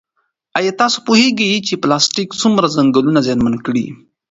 ایا تاسو پوهېږئ چې پلاستیک څومره ځنګلونه زیانمن کړي؟